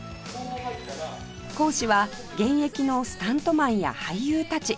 講師は現役のスタントマンや俳優たち